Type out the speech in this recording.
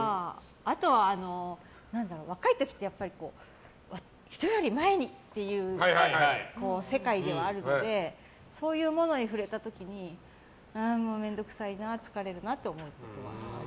あとは、若い時って人より前にっていう世界ではあるのでそういうものに触れた時にもう面倒くさいな、疲れるなって思うことはありました。